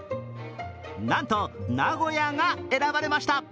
なんと名古屋が選ばれました。